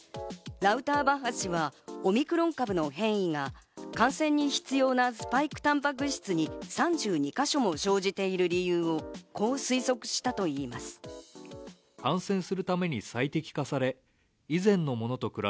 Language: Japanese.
ラウター・バッハ氏はオミクロン株の変異が感染に必要なスパイクタンパク質に３２か所も生じている理由をこう推測したといいます。